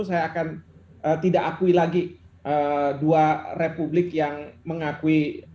saya akan tidak akui lagi dua republik yang mengakui